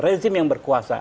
rezim yang berkuasa